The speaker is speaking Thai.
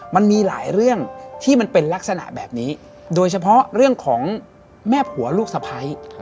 มันมีหลายเรื่องที่มันเป็นลักษณะแบบนี้โดยเฉพาะเรื่องของแม่ผัวลูกสะพ้าย